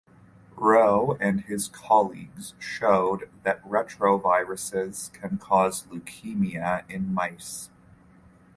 Rowe and his colleagues showed that retroviruses can cause leukemia in mice.